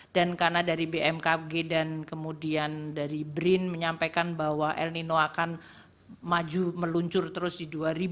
dan karena dari bmkg dan kemudian dari brin menyampaikan bahwa el nino akan maju meluncur terus di dua ribu dua puluh empat